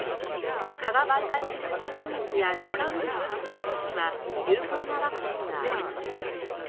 蚊が媒介するデング熱やジカウイルス感染症には有効なワクチンがありません。